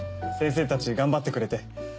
先生たち頑張ってくれて。